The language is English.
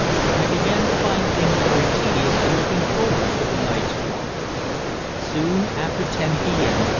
I began to find things very tedious and looked forward to the night's walk. Soon after 10 p.m.